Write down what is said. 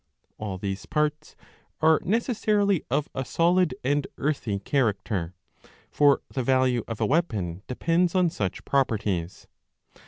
All these parts are necessarily of a solid and earthy character ; for the value of a weapon depends on such properties.